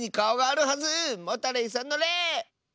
モタレイさんの「レ」！